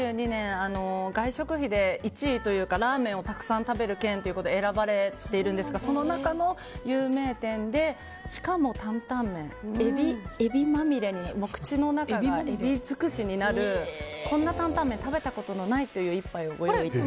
外食費で１位というかラーメンをたくさん食べる県ということで選ばれているんですがその中の有名店でしかも担々麺、口の中がエビ尽くしになるこんな担々麺食べたことないという１杯をご用意しました。